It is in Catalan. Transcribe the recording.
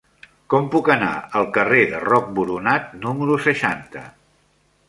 Com puc anar al carrer de Roc Boronat número seixanta?